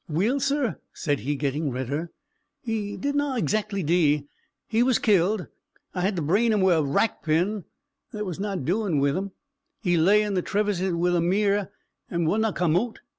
"Weel, sir," said he, getting redder, "he didna exactly dee; he was killed. I had to brain him wi' a rack pin; there was nae doin' wi' him. He lay in the treviss wi' the mear, and wadna come oot.